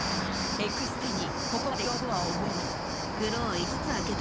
エクステにここまで必要とは思えない。